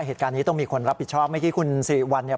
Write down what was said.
เหตุการณ์นี้ต้องมีคนรับผิดชอบไม่คิดคุณสี่วันเนี้ย